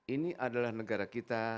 ini adalah negara kita